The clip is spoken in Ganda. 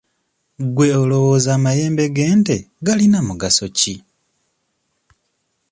Gwe olowooza amayembe g'ente galina mugaso ki?